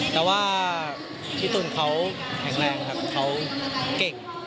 แต่ว่าพี่ตูนเขาแข็งแรงครับเขาเก่ง